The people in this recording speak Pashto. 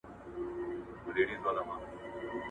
حبوبات د انسان په بدن کې د ګټورو باکتریاوو په وده کې مرسته کوي.